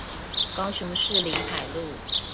高雄市臨海路